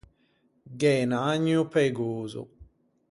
Gh’é un ägno peigoso.